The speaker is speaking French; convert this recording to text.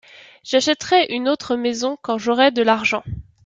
J’achèterai une autre maison quand j’aurai de l’argent.